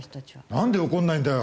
なんで怒らないんだよ！